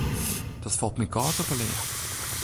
Dat falt my kâld op 'e lea.